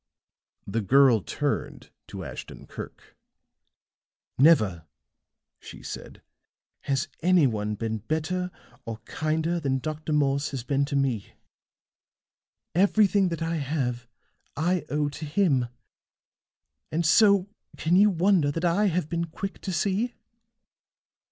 The girl turned to Ashton Kirk. "Never," she said, "has any one been better or kinder than Dr. Morse has been to me. Everything that I have I owe to him. And so can you wonder that I have been quick to see?"